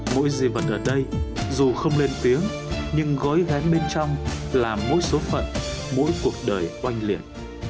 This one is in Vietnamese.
mỗi di vật ở đây dù không lên tiếng nhưng gói ghém bên trong là mỗi số phận mỗi cuộc đời oanh liệt